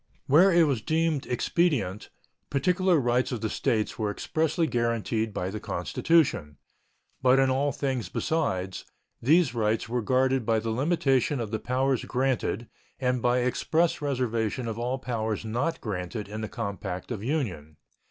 Where it was deemed expedient particular rights of the States were expressly guaranteed by the Constitution, but in all things besides these rights were guarded by the limitation of the powers granted and by express reservation of all powers not granted in the compact of union.